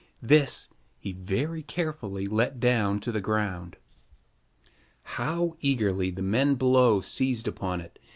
This he very carefully let down to the ground. How eagerly the men below seized upon it.